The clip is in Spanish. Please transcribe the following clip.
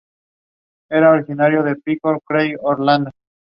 Las negociaciones fracasaron y, como tal, ambos candidatos murieron solteros.